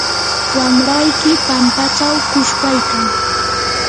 wamrayki pampachaw quchpaykan.